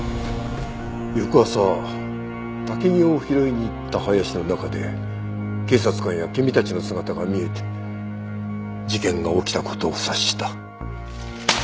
翌朝薪を拾いに行った林の中で警察官や君たちの姿が見えて事件が起きた事を察した。